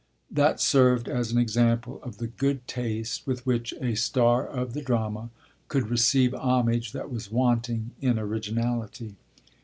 That served as an example of the good taste with which a star of the drama could receive homage that was wanting in originality.